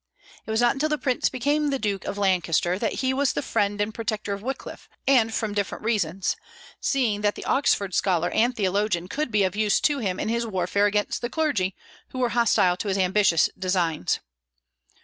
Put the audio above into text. It was not until the prince became the Duke of Lancaster that he was the friend and protector of Wyclif, and from different reasons, seeing that the Oxford scholar and theologian could be of use to him in his warfare against the clergy, who were hostile to his ambitious designs.